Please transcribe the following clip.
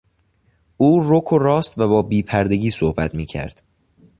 او رک و راست و با بیپردگی صحبت کرد.